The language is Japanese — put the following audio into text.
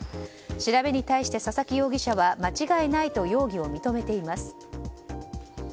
調べに対して、佐々木容疑者は間違いないと容疑を認めています。